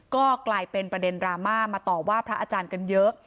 ก็กลายเป็นประเด็นดราม่ามาต่อว่าพระอาจารย์กันเยอะ